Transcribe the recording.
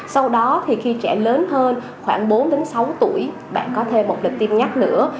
sau đó thì khi trẻ lớn hơn khoảng bốn sáu tuổi bạn có thêm một lịch tiêm nhắc nữa